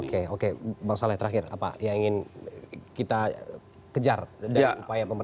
oke oke bang saleh terakhir apa yang ingin kita kejar dari upaya pemerintah